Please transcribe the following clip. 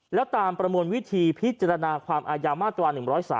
แล้วตามประมวลวิธีพิจารณาความอายามาตรา๑๐๓